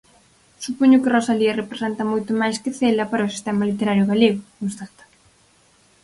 "Supoño que Rosalía representa moito máis que Cela para o sistema literario galego", constata.